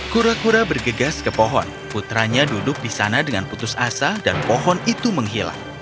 kura kura bergegas ke pohon putranya duduk di sana dengan putus asa dan pohon itu menghilang